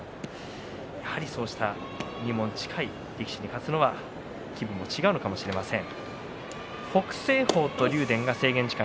そうした入門の近い力士に勝つのは気持ちと気分が違うのかもしれません。